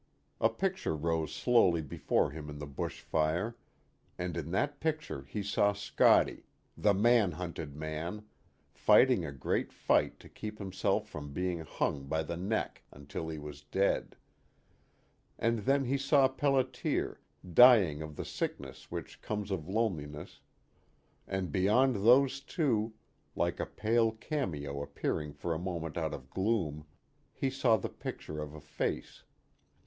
A picture rose slowly before him in the bush fire, and in that picture he saw Scottie, the man hunted man, fighting a great fight to keep himself from being hung by the neck until he was dead; and then he saw Pelliter, dying of the sickness which comes of loneliness, and beyond those two, like a pale cameo appearing for a moment out of gloom, he saw the picture of a face.